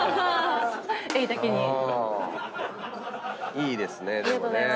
いいですねでもね。